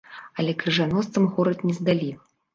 Але крыжаносцам горад не здалі.